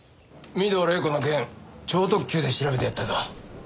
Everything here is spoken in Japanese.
御堂黎子の件超特急で調べてやったぞ。